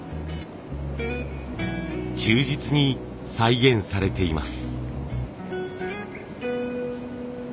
忠実に再現されています。